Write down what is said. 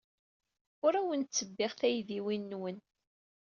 Ur awen-ttebbiɣ taydiwin-nwen.